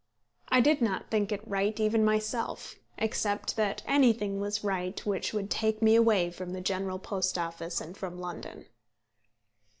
I did not think it right even myself, except that anything was right which would take me away from the General Post Office and from London.